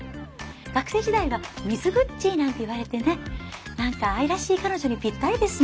学生時代はミズグッチーなんて言われてね何か愛らしい彼女にぴったりですね。